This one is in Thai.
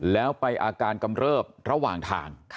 แล้วไปอาการกำเริบระหว่างทาง